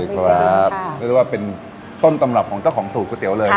สวัสดีครับเป็นต้นตำรับของเจ้าของสูตรก๋วยเตี๋ยวเลย